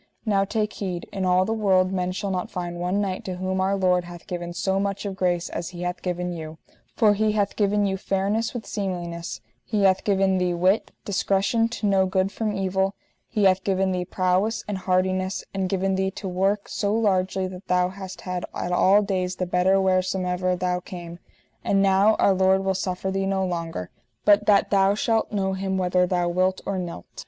Now take heed, in all the world men shall not find one knight to whom Our Lord hath given so much of grace as He hath given you, for He hath given you fairness with seemliness, He hath given thee wit, discretion to know good from evil, He hath given thee prowess and hardiness, and given thee to work so largely that thou hast had at all days the better wheresomever thou came; and now Our Lord will suffer thee no longer, but that thou shalt know Him whether thou wilt or nylt.